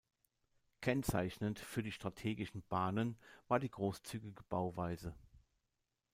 Kennzeichnend für die strategischen Bahnen war die großzügige Bauweise.